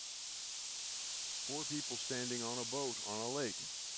Four people standing on a boat on the lake.